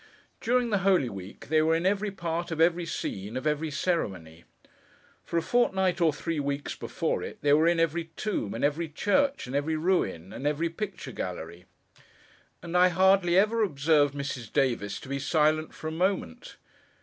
During the Holy Week, they were in every part of every scene of every ceremony. For a fortnight or three weeks before it, they were in every tomb, and every church, and every ruin, and every Picture Gallery; and I hardly ever observed Mrs. Davis to be silent for a moment.